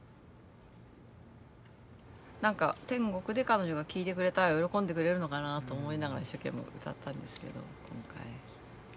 なんか天国で彼女が聴いてくれたら喜んでくれるのかなと思いながら一生懸命歌ったんですけど今回。